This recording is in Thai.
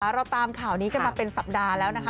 เราตามข่าวนี้กันมาเป็นสัปดาห์แล้วนะคะ